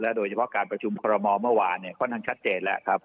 โดยเฉพาะการประชุมคอรมอลเมื่อวานค่อนข้างชัดเจนแล้วครับ